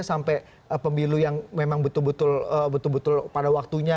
sampai pemilu yang memang betul betul pada waktunya